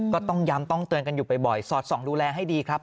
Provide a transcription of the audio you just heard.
ก็ต้องย้ำต้องเตือนกันอยู่บ่อยสอดส่องดูแลให้ดีครับ